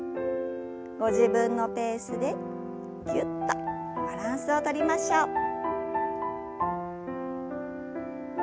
ご自分のペースでぎゅっとバランスをとりましょう。